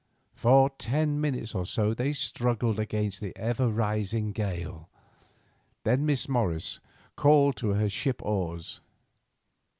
For ten minutes or so they struggled against the ever rising gale. Then Morris called to her to ship oars.